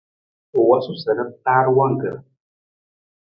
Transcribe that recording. U wosu sa ra taar wangkar.